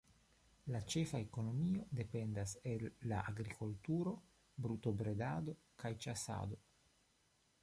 La ĉefa ekonomio dependas el la agrikulturo, brutobredado kaj ĉasado.